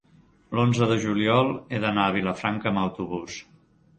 L'onze de juliol he d'anar a Vilafranca amb autobús.